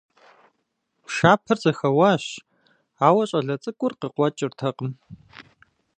Пшапэр зэхэуащ, ауэ щӀалэ цӀыкӀур къыкъуэкӀыртэкъым.